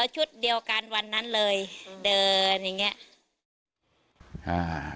ชุดเดียวกันวันนั้นเลยเดินอย่างเงี้ยอ่า